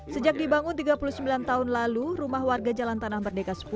sejak dibangun tiga puluh sembilan tahun lalu rumah warga jalan tanah merdeka sepuluh